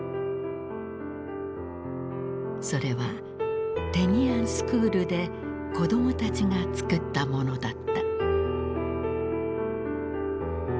それはテニアンスクールで子供たちが作ったものだった。